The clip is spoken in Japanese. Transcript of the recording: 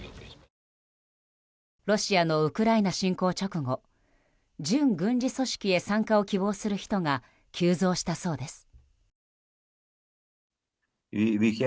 ロシアのウクライナ侵攻直後準軍事組織へ参加を希望する人が急増したそうです。